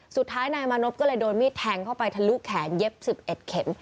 สุดท้ายนายมานพก็เลยโดนมีดแทงเข้าไปทะลุแขนเย็บ๑๑เข็ม